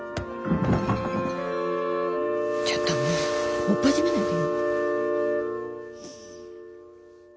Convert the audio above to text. ちょっともうおっぱじめないでよ。